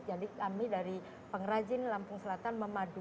jadi kami dari pengrajin lampung selatan